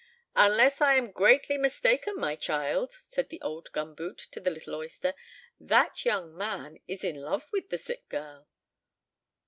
"Unless I am greatly mistaken, my child," said the old gum boot to the little oyster, "that young man is in love with the sick girl!"